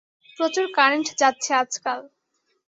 প্রচুর কারেন্ট যাচ্ছে আজকাল।